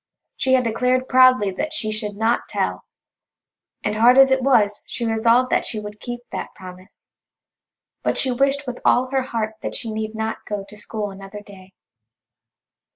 She had declared proudly that she should not tell, and hard as it was she resolved that she would keep that promise. But she wished with all her heart that she need not go to school another day.